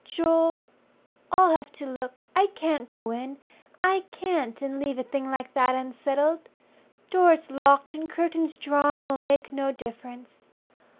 "Joel, I'll have to look. I can't go in, I can't, and leave a thing like that unsettled. Doors locked and curtains drawn will make no difference.